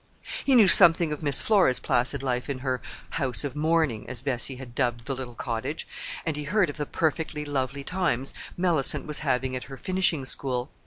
He knew something of Miss Flora's placid life in her "house of mourning" (as Bessie had dubbed the little cottage), and he heard of the "perfectly lovely times" Mellicent was having at her finishing school.